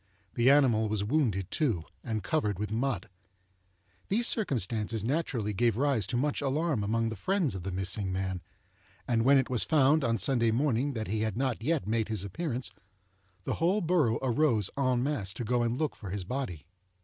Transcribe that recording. The animal was wounded, too, and covered with mud. These circumstances naturally gave rise to much alarm among the friends of the missing man; and when it was found, on Sunday morning, that he had not yet made his appearance, the whole borough arose en masse to go and look for his body.